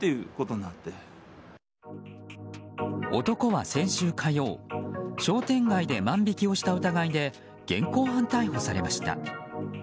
男は先週火曜商店街で万引きをした疑いで現行犯逮捕されました。